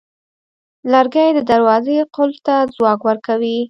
لرګی د دروازې قلف ته ځواک ورکوي.